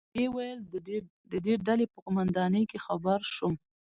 ویې ویل: د ډلې په قومندانۍ کې خبر شوم.